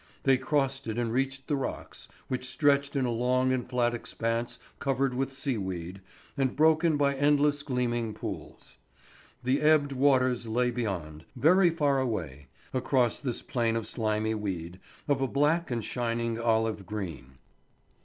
They crossed it and reached the rocks, which stretched in a long and flat expanse covered with sea weed, and broken by endless gleaming pools. The ebbed waters lay beyond, very far away, across this plain of slimy weed, of a black and shining olive green.